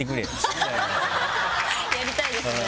やりたいですね。